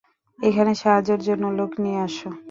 এখানে সাহায্যের জন্য লোক নিয়ে আসো!